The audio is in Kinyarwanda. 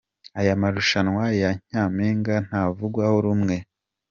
Aya marushanwa ya Nyampinga ntavugwaho rumwe.